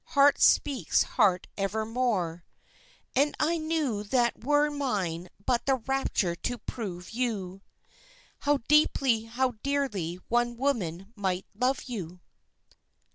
heart speaks heart evermore (And I knew that were mine but the rapture to prove you, How deeply, how dearly one woman might love you!)